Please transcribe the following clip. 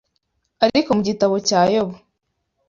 Ariko mu gitabo cya Yobu